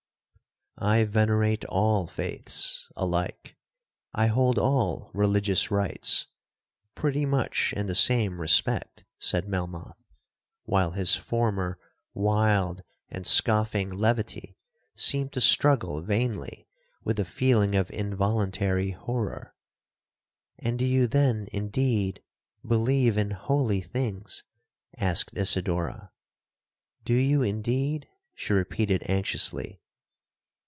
'—'I venerate all faiths—alike, I hold all religious rites—pretty much in the same respect,' said Melmoth, while his former wild and scoffing levity seemed to struggle vainly with a feeling of involuntary horror. 'And do you then, indeed, believe in holy things?' asked Isidora. 'Do you indeed?' she repeated anxiously.